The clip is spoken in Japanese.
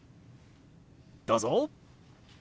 どうぞ！